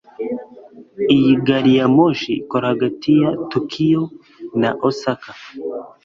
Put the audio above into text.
Iyi gari ya moshi ikora hagati ya Tokiyo na Osaka